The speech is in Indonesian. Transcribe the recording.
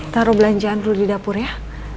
taruh belanjaan dulu di dapur ya